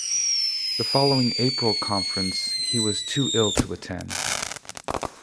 The following April conference he was too ill to attend.